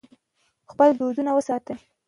خپل دودونه وساتئ.